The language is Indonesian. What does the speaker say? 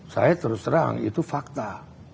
saya terus terang itu fakta